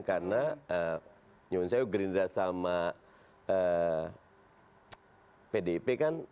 karena nyungun saya gerindra sama pdip kan